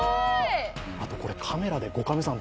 あとこれカメラで５カメさん